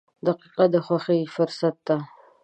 • دقیقه د خوښۍ فرصت ده.